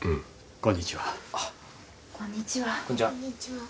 こんにちは。